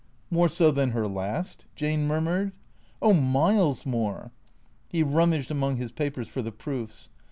" More so than her last ?" Jane murmured. " Oh, miles more." He rummaged among his papers for the proofs.